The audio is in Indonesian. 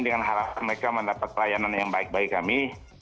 dengan harapan mereka mendapat pelayanan yang baik bagi kami